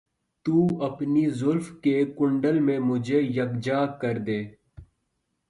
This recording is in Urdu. تو اپنی زلف کے کنڈل میں مجھے یکجا کر دے